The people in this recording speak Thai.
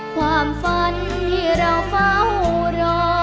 ความฝันที่เราเฝ้ารอ